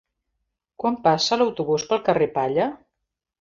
Quan passa l'autobús pel carrer Palla?